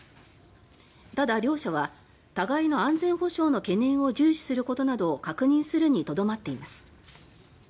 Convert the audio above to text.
ただ、両者は「互いの安全保障の懸念を重視する」ことなどを確認するにとどまっています。